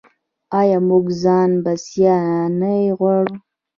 آیا موږ ځان بسیاینه غواړو؟